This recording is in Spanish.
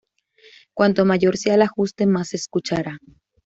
Cuanto mayor sea el ajuste más se escuchará.